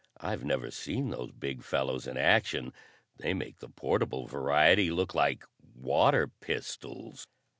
"I've never seen those big fellows in action. They make the portable variety look like water pistols."